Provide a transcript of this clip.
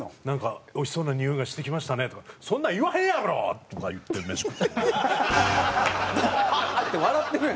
なんか「おいしそうなにおいがしてきましたね」とか「そんなん言わへんやろ！」とか言って飯食って。